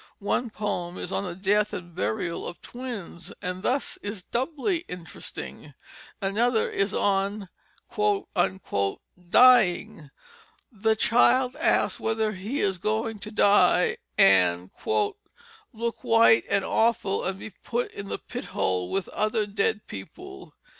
One poem is on the death and burial of twins, and thus is doubly interesting. Another is on "Dying." The child asks whether he is going to die and "look white and awful and be put in the pithole with other dead people."